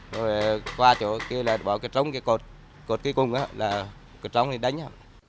rồi qua chỗ kia là bỏ cái trống cái cột cột cái cung đó là cái trống đi đánh